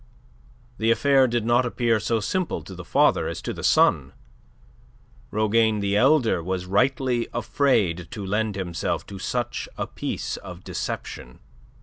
The affair did not appear so simple to the father as to the son. Rougane the elder was rightly afraid to lend himself to such a piece of deception.